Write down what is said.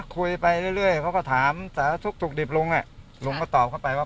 คุยไปเรื่อยเรื่อยเขาก็ถามแต่ลุงก็ตอบเข้าไปว่า